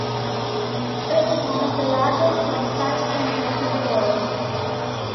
It is one of the largest of such centers in the world.